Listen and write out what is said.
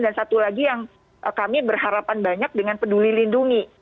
dan satu lagi yang kami berharapan banyak dengan peduli lindungi